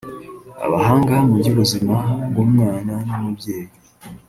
Abahanga mu by’ubuzima bw’umwana n’umubyeyi